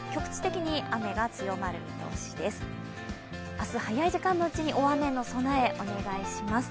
明日早い時間のうちに大雨の備え、お願いします。